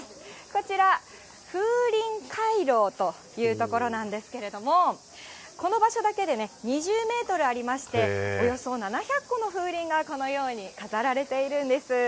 こちら、風鈴回廊という所なんですけれども、この場所だけで２０メートルありまして、およそ７００個の風鈴がこのように飾られているんです。